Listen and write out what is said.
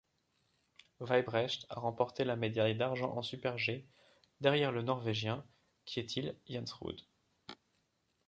Weibrecht a remporté la médaille d'argent en Super G derrière le norvégien Kjetil Jansrud.